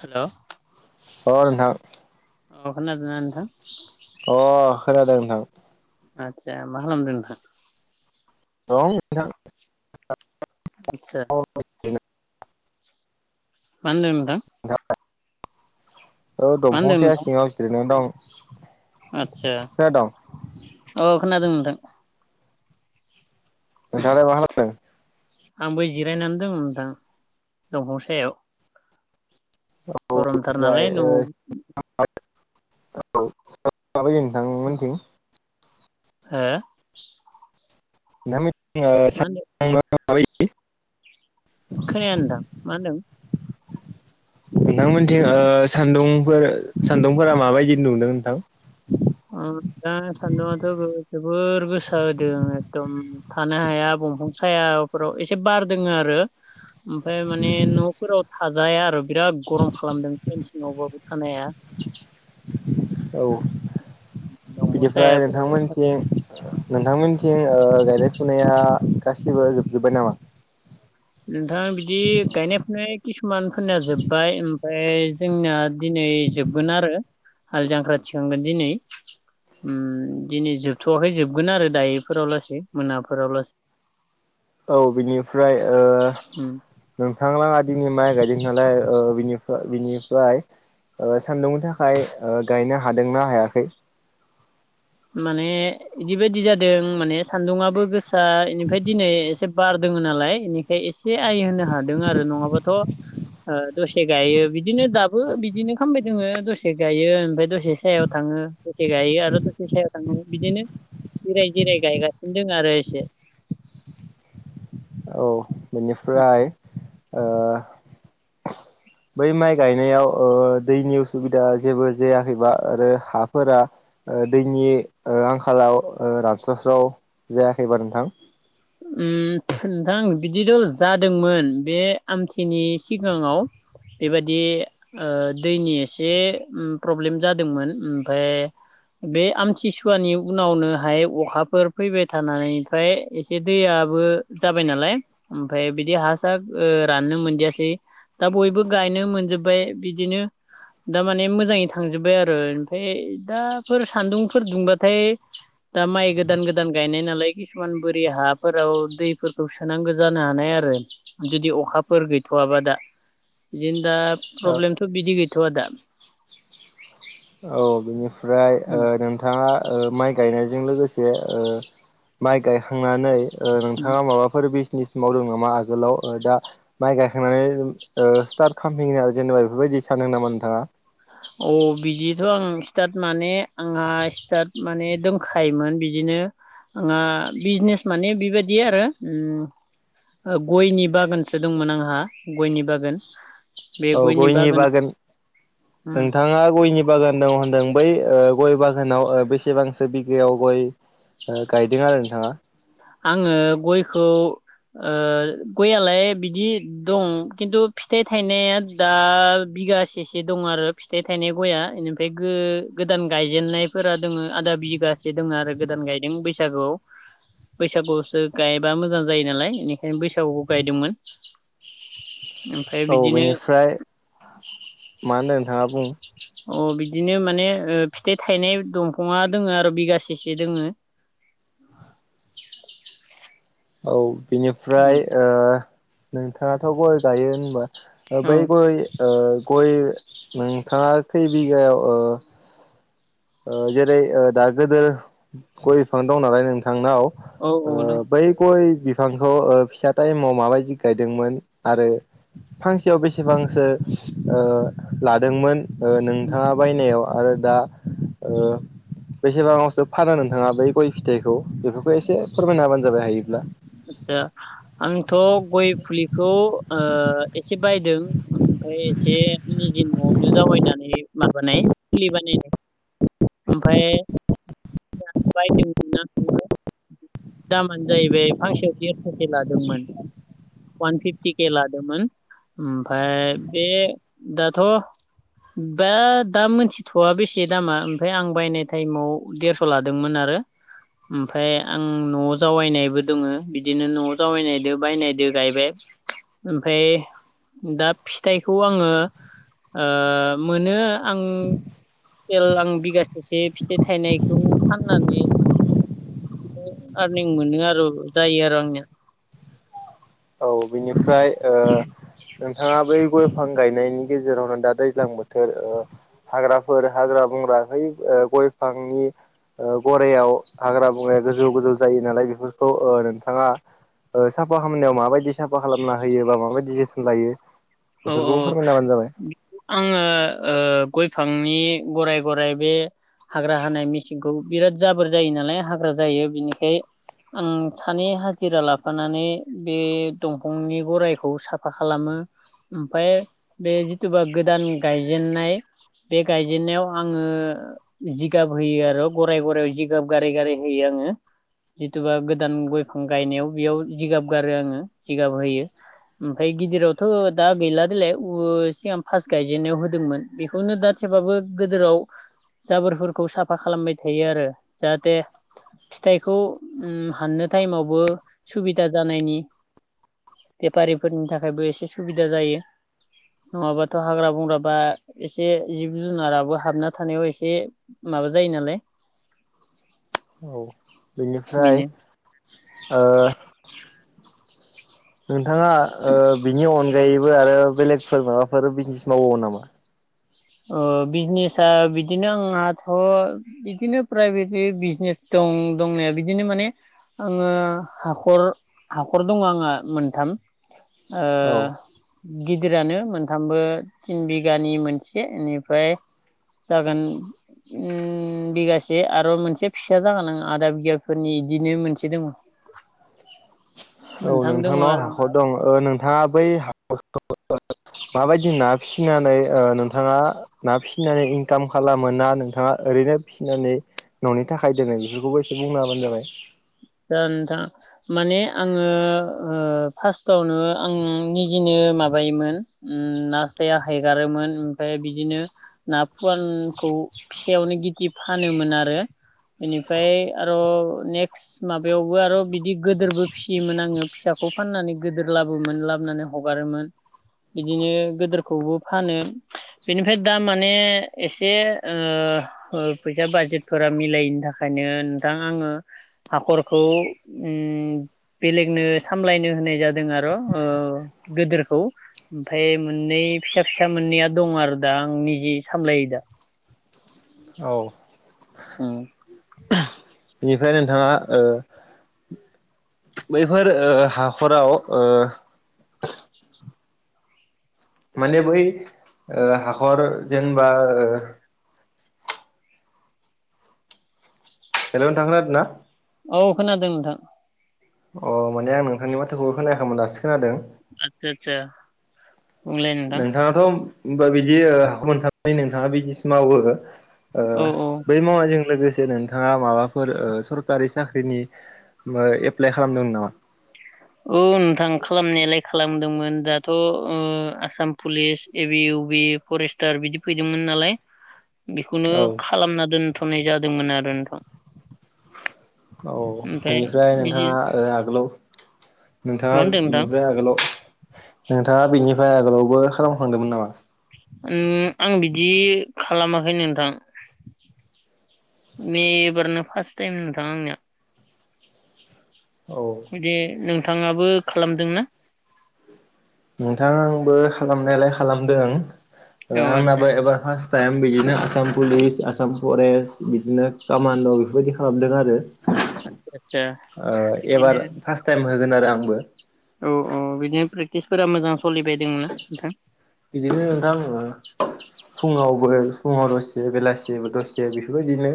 Hello अ नोंथां अ खोनादोंना नोंथां? अ खोनादों नोंथां आचछ मा खालामोमदों नोंथां? दं आदसा [unintelligible] बन्द नोंथां जाबाय औ मा होनदों दंफांसेाया नोंथां सिङाव गिदिर न दं आदसा खोनादों अ खोनादों नोंथां नोंथाङालाय मा खालामदों आंबो जिरायनानै दंमोनदां दंफांसायाव औ ओमफ्राय न'आव हो ओ- [unintelligible] औ स माबायायो नोंथांमोनथिं [unintelligible] हा न माब [unintelligible] खोनानो दां मा होनदों नोंथांमोनथिं औ सान्दुंफोर सान्दुंफोरा माबायदि नुदों नोंथां दा सान्दुंङाथ' जोबोर गोसो होदों एकदम थानो हाया दंफांसायाफोराव एसे बार दोङ आरो ओमफ्रायाय माने न'फोराव थाजाया आरो बिराद गरम खालामदों सिनावबाबो थानो हाया औ दंफां बिनिफ्राय सायाफोराव नोंथांमोनथिं नोंथांमोन थिं ओ- गायनाय फुनाया गासिबो जोबजोब्बाय नामा नोंथां बिदि गायनाय फुनाय किसुमानफोरनिया जोब्बाय ओमफ्राय जोंनाया दिनै जोबगोन आरो हल जांख्रा थिखांगोन दिनै उम दिनै जोबथ'वाखै जोबगोन आरो दायोफोराव लासै मोनाफोराव लासै औ बिनिफ्राय ओ उम नोंथां दिनै माइ गायदों नालाय ओ बिनिफा बिनिफ्राय ओ सान्दुंनि थाखाय ओ गायनो हादोंनाा हायाखै? माने बिदिबायायदि जादों माने सान्दुङआबो गोसा इनिफ्राय दिनै एसे बार दङ नालाय बेनिखाय एसे आइ होनो हादों आरो नङाबाथ' दसे गायो बिदिनो दाबो बिदिनो खालामामबाय दोङो दसे गायो ओमफ्राय दसे सायाव थाङो गोसे गायो आरो से सायाव थांनानै बिदिनो जिराय जिराय गायगासिन द आरो एसे औ बेनिफ्राय ओ बै माइ गायनायाव दैनि उसुबिदा जेबो जायाखैबा आरो हाफोरा दैनि आंखालाव रानस्र'स्राव जायाखैबा नोंथां उम नोंथां बिदिथ' जादोंमोन बे आमथिनि सिगाङाव बेबायादि दैनि एसे प्रब्लेम जादोंमोन ओमफफ्राय बे आमथिसुवानि उनावनोहाय अखाफोर फैबाय थानानैफ्राय ए दैयाबबो जाबाय नालाय ओमफ्राय बिदि हा सार राननो मोनजासै दा बयबो गायनो मोनजोब्बाय बिदिनो दामाने मोजाङै थांजोबबाय आरो ओमफाय दाफोर सान्दुंफोर दुंबाथाय दा माइ गोदान गोदान गायनाय नालाय किसुमान बो हाफोराव दैफोरखौ सोनांगौ जानो हानाय आरो जुदि अखाफोर गैथ'आबा दा। बिदिनो दा ओ प्रब्लेमथ' बिदि गैथ'वा दा। औ बेनिफ्राय ओ नोंथाङा ओ माइ गायनाय जों लोगोसे ओ माइ गायखांनानै ओ नोंथाङा माबाफोर [unintelligible] मावदों नामा आगोलाव ओ दा माइ गायखांनानै ओ सिथार्थ [unintelligible] जेनेबा बेफोरबायदि दि सानो नामा नोंथाङा अ बिदिथ' आं स्टार्ट माने आंहा स्टार्ट माने दंखायोमोन बि दिनो आंहा बिजिनेस माने बिबादि आरो गयनि बागानसो दंमोन आंहा गयनि बागान। बे औ गयनि बागानाव बागान उम नोंथाङा गयनि बागान दं होनदों बै ओ गय बागानाव बेसेबांसो बिगायाव गय गायदों आरो नोंथाङा आङो गयखौ ओ गय आलाय बिदि दं खिन्थु फिथाइ थायनाया दा बिगासेसे दं आरो फिथाइ थायनाय गया इनिफ्राय गो-गोदान गायजेननायफोरा दोङो आदा बिघासे दङ आरो गोदान गायदों बैसागुआव बैसागुसो गायबा मोजां जायो नालाय इनिखायनो बैसागुआव गायदोंमोन। ओमफ्राय औ बिदिनो बेनिफ्राय मा होनदों नोंथाङा बुं। अ बिदिनो माने ओ फिथाइ थायनाय दंफाङा दोङो आरो बिगासेसो दोङो। औ बिनिफ्राय ओ नोंथाङाथ' गय गायो होनबा ओ औ बै गय ओ गय नोंथाङा खै बिघायाव ओ ओ जेरै ओ दा गोदोर गय बिफां दं नालाय नोंथांनाव औ औ आ दं बै ग बिफांखौ ओ फिसा टाइमाव माबायदि गायदोंमोन आरो फांसेयाव बेसेबां सो ओ लादोंमोन ओ नोंथाङा बायनायाव आरो दा ओ बेसेबाङावसो फाना नोंथाङा बै गय फिथाइखौ। बेफोरखौ एसे फोरमायना हाबानो जाबाय हायो। आस्सा आंथ' गय फुलिखौ ओ एसे बायदों ओमफ्राय मोनसे निजे न'आवनो जावैनानै माबानाय फुलि बानायनाय। ओमफ्राय बायदोंमोन दामानो जाहैबाय फांसेआव देस'सो लादोंमोन। उवान फिफटि केे लादोंमोन ओमफाय बे दाथ' दा दा मोनथिथ'आ बेसे दामा ओमफाय आं बायनाय टाइमाव देरस' लादोंमोन आरो। ओमफाय आं न'आव जावायनायबो दङो बिदिनो न'आव जावैनायदो बायनायदो गायबाय। ओमफाय दा फिथाइखौ आङो ओ मोनो आं एल आं बिगासेसे फिथाइ थायनायखौ फाननानै आरनिं मोनो आरो जायो आरो आंनिया। बेनिफ्राय ओ नोंथाङा बै गय फां गायनायनि गेजेरावनो दा दैज्लां बोथोर ओ हाग्राफोर हाग्रा [unintelligible] ओ गय फांनि ओ गरायाव हाग्रा बंग्राया गोजौ गोजौ जायो नालाय बेफोरखौ ओ नोंथाङा ओ साफा खालामनायाव माबायदि साफा खालामना होयो बा माबायदि जोथोन लायो औ औ बेफोरखौबो फोरमायना होबानो जाबाय आङो ओ गय फांनि गराय गराय बे हाग्रा हानाय मिसिं खौ बिराद जाबोर जायो नालाय हाग्रा जायो बिनिखाय आं सानै हाजिरा लाफानानै बे दंफांनि गराइखौ साफा खालामो। ओमफाय बे जिथुबा गोदान गायजेनाय बे गायजेनन्नायाव आङो जिगाब होयो आरो गराय गरयाव जिगाब गारै गारै होयो। आंङो जिथुबा गोदान गयफां गायनायाव बेयाव जिगाब गारो आङो जिगाब होयो। ओमफाय गिदिरावथ' दा गैला देलाय [unintelligible] सिगां फास गायजेेननायाव होदोंमोन बेखौनो दा थेबाबो गोदोराव जाबोरफोरखौ साफा खालामबाय थायो आरो जाहाथे फिथाइखौ उम हाननो टाइमावबो सुबिदा जानायनि बेफारिफोरनि थाखायबो एसे सुबिदा जायो। नङाबाथ' हाग्रा बंग्राबा एसे जिब जुनाराबो हाबना थानायाव एसे माबा जायो नालाय औ बेनिफ्राय बेनो ओ नोंथाङा ओ बिनि अनगायैबो आरो बेलेगफोर माबाफोर बिजनेस मावबावो नामा? ओ बिजनेसा बिदिनो आंनाथ' बिदिनो प्राइभेट बिजनेस दं दं दंनाया बिदिनो माने आङो हाखर हाखर दङ आंहा मोनथाम। ओ औ गिदिरानो मोनथामबो थिन बिगानि मोनसे [unintelligible] एनिफाय जागोन उम बिगासे आरो मोनसे फिसा जागोन आं आधा बिगाफोरनि इदिनो मोनसे दङ। [inaudible] औ मोनथाम दङ नोंथांनाव आरो आंहा हाखर दं ओ नोंथाङा बै हा [unintelligible] [unintelligible] माबायदि ना फिनानै ओ नोंथाङा ना फिनाय इंकाम खालामो ना नोंथाङा ओरैनो फिनानै न'नि थाखाय दोनो बेफोरखौबो एसे बुंना हाबानो जाबाय। [unintelligible] नोंथां माने आङो ओ फार्स्टआवनो आं निजिनो माबायोमोन उम ना [unintelligible] हेगारोमोन ओमफाय बिदिनो ना फुवानखौ फिसायावनो गिदि‌फानोमोन आरो इनिफाय आर' नेक्स्ट माबायावबो आर' बिदि गोदोरबो फिसियोमोन आङो फिसाखौ फाननानै गोदोर लाबोमोन लाबोनानै हगारो [unintelligible] बिदिनो गोदोरखौबो फानो बेनिफ्राय दा माने एसे ओ ओ ओ फैसा बाजेटफोरा मिलायैनि थाखायनो नोंथां आङो हाखरखौ उम बेलेगनो सामलायनो होनाय जादों आर' ओ गोदोरखौ ओमफाय मोननै फिसा फिसा मोननैया दं आरो दा आं निजे सामलायो दा। औ उम [unintelligible] इनिफ्राय नोंथाङा ओ बैफोर ओ हाखराव ओ माने बै ओ हाखर जेनबा ओ हेलौ नोथां खोनादोना? औ खोनादों नोंथां। अ माने आं नोंथांनि माथोखौबो खोनायाखैमोन दास आतसा आतसा नोंथाङाथ' होमबा बिदि ओ [unintelligible] मोनखाबाय नोंथाङा बिजनेस मावो ओ औ औ बै मावनायजों लोगोसे नोंथाङा माबाफोर ओ सरकारि साख्रिनि बा एप्लाइ खालामदोंमोन नामा? औ नोंथां खालामनायालाय खालामदोंमोन दाथ' ओ आसाम पुलिस ए बि इउ बि फरेस्टार्ड बिदि फैदोंमोन। नालाय बेखौनो औ खालामना दोनथ'नाय जादोंमोन आरो नोंथां। औ ओमफ्राय बिनिफ्राय बिदि नोंथाङा ओ आगोलाव नोंथाङा मा होनदों नोंथां बिनिफ्राय आगोल नोंथाङा बिनिफ्राय आगोलावबो खालामखांदोंमोन नामा? उम आं बिदि खालामाखै नोंथां। मेबारनो फार्स्ट टाइम नोंथाङा आंनिया औ दे नोंथाङाबो खालामदोंना? नोंथां आंबो खालामनायालाय खालामदों। औ आदसा आंनाबो एबार फारट टाइम बेदिनो आसाम पुलिस आसाम फरेस्ट बिदिनो कामान्ड' बेफोरबायदि खालामदों आरो आदसा ओ एबार बिदिनो फार्स्ट टाइम होगोन आरो आंबो औ औ बिदिनो प्रेकटिसफोरा मोजां सोलिबाय दंना नोंथां बिदिनोथां ओ फुङावबो फुङाव दसे बेलासि दसे बेफोरबायदिनो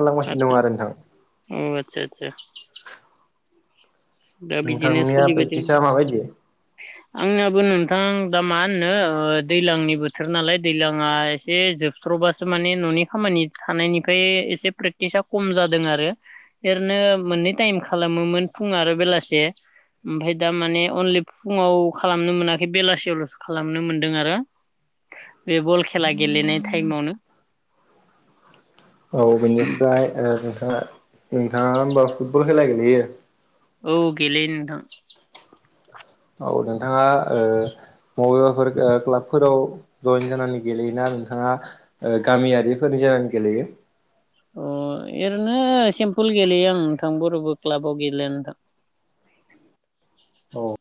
खालामगासिनो आदसा दङ आरो नोंथां औ आदसा आदसा दा बिदिनो नोंथांनिया सोलिबायदों प्रेक्टिसा माबायदि आंनयाबो नों थां दा मा होनो ओ दैज्लांनि बोथोर नालाय दैज्लङा एसे जोबथ्र'बासो माने न'नि खामानि थानायनिफ्राय एसे प्रेक्टिसा खम जादों आरो ओरैनो मोननै टाइम खालामोमोन फुं आरो बेलासे ओमफ्राय दा माने अनलि फुङाव खालामनो मोनाखै बेलासियावल'सो खालामनो मोनदों आरो बे बल खेला गेलेनाय टाइमावनो औ बेनिफ्राय ओ नोंथाङा नोंथाङा होनबा फुटबल खेला गेलेयो औ गेलेयो नोंथां। औ नोंथाङा ओ बबेबाफोर गो क्लाबफोराव जयेन जानानै गेलेयोना नोंथाङा ओ गामियारिफोरनि जानानै गेलेयो अ ओरैनो सिम्पुल गेलेयो आं नोंथां ब'रबो क्लाबाव गेलेया नोंथां औ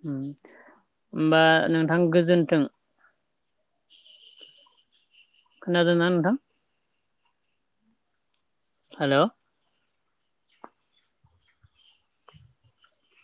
[unintelligible] उम हमबा नोंथां गोजोन्थों खोनादोंना नोंथां? हेल'